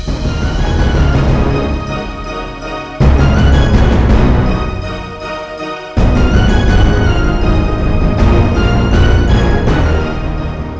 apa kamu ingin kami buat